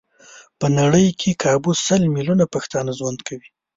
په نړۍ کې کابو سل ميليونه پښتانه ژوند کوي.